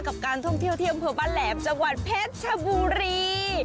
กับการท่องเที่ยวที่อำเภอบ้านแหลมจังหวัดเพชรชบุรี